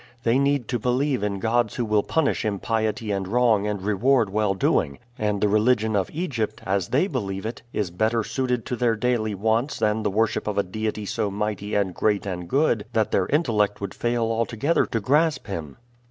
They need to believe in gods who will punish impiety and wrong and reward well doing; and the religion of Egypt, as they believe it, is better suited to their daily wants than the worship of a deity so mighty and great and good that their intellect would fail altogether to grasp him."